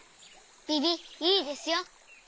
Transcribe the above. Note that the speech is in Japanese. ビビいいですよ。